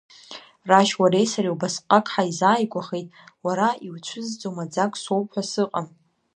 Рашь, уареи сареи убасҟак ҳаизааигәахеит, уара иуцәызӡо маӡак соуп ҳәа сыҟам.